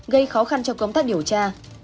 gây khó khăn cho công tác điều tra